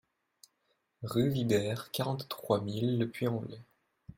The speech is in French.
Rue Vibert, quarante-trois mille Le Puy-en-Velay